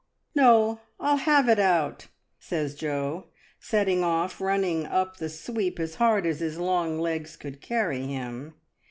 "No, rU have it out," says Jo, setting off run ning up the sweep as hard as his long legs could carry him.